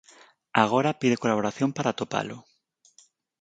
Agora pide colaboración para atopalo.